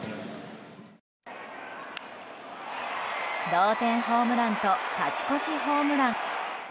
同点ホームランと勝ち越しホームラン。